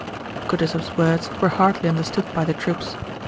Kutúzov's words were hardly understood by the troops.